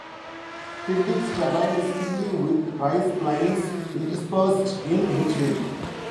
Piddig's terrain is hilly with rice plains interspersed in between.